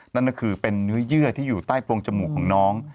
นั่นก็คือเป็นเนื้อเยื่อที่อยู่ใต้โปรงจมูกของน้อง